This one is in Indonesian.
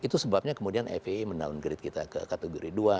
itu sebabnya kemudian fpi men downgrade kita ke kategori dua